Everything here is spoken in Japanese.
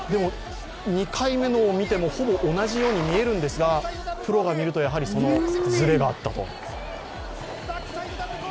２回目を見てもほぼ同じように見えるんですがプロが見るとずれがあったと。